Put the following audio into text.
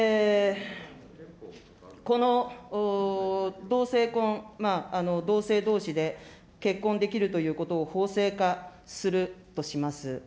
この同性婚、同性どうしで結婚できるということを法制化するとします。